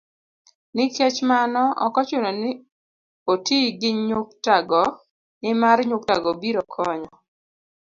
Nikech mano, ok ochuno ni oti gi nyuktago, nimar nyuktago biro konyo